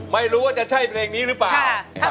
ไม่รู้ว่าจะใช่เพลงนี้หรือเปล่า